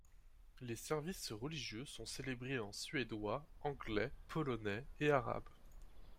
Les services religieux sont célébrés en suédois, anglais, polonais et arabe.